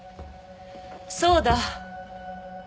そうだ。